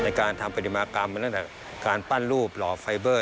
การทำปฏิมากรรมมาตั้งแต่การปั้นรูปหล่อไฟเบอร์